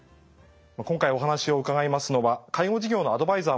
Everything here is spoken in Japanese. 今回お話を伺いますのは介護事業のアドバイザーもされています